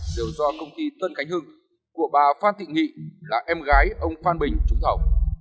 đều do công ty tân khánh hưng của bà phan thị nghị là em gái ông phan bình trúng thầu